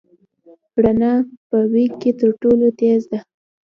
رڼا په وېګ کې تر ټولو تېز ده.